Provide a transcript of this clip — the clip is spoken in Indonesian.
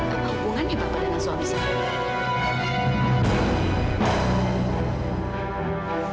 apa hubungannya bapak dengan suami saya